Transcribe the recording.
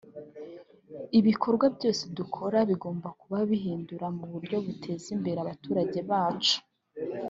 Ibikorwa byose dukora bigomba kuba bihindura mu buryo buteza imbere abaturage bacu